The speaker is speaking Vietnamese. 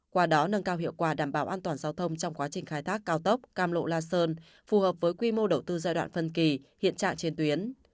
qua đó nâng cao hiệu quả đảm bảo an toàn giao thông trong quá trình khai thác cao tốc cam lộ la sơn phù hợp với quy mô đầu tư giai đoạn phân kỳ hiện trạng trên tuyến